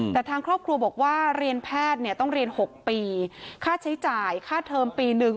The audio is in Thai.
แต่ทางครอบครัวบอกว่าเรียนแพทย์เนี่ยต้องเรียน๖ปีค่าใช้จ่ายค่าเทอมปีหนึ่ง